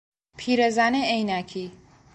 پیرزن عینکی